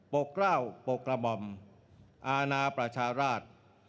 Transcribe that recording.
ปกร่าวปกรมอาณาประชาราช